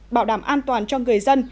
bảo đảm an toàn cho người dân